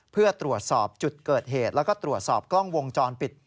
เพื่อตรวจสอบจุดเกิดเหตุแล้วก็ตรวจสอบกล้องวงจรปิด